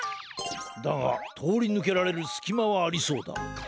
だがとおりぬけられるすきまはありそうだ。